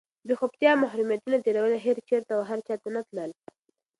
بېخوبتیا، محرومیتونه تېرول، هېر چېرته او هر چاته نه تلل،